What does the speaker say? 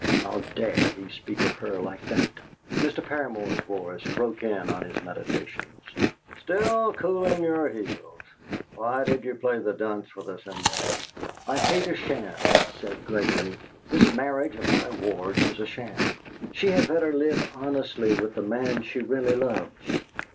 'How dare he speak of her like that!' Mr. Paramor's voice broke in on his meditations. "Still cooling your heels? Why did you play the deuce with us in there?" "I hate a sham," said Gregory. "This marriage of my ward's is a sham. She had better live honestly with the man she really loves!"